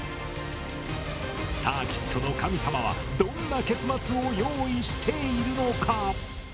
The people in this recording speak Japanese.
サーキットの神様はどんな結末を用意しているのか。